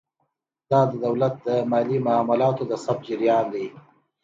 دا د دولت د مالي معاملاتو د ثبت جریان دی.